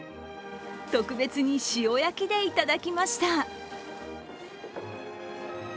特別に塩焼きでいただきました。